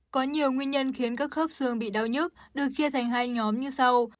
có nhiều nguyên nhân khiến các khớp xương bị đau nhức được chia thành hai nhóm như sau